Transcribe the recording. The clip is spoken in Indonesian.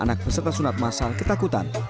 anak peserta sunat masal ketakutan